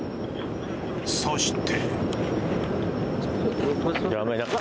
そして。